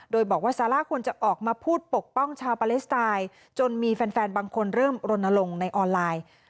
โดยบอกว่าซาร่าควรจะออกมาพูดปกป้องชาวปาเลสไตน์จนมีแฟนบางคนเริ่มรณลงในออนไลน์